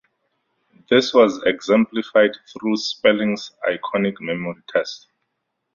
This was exemplified through Sperling's Iconic Memory Test.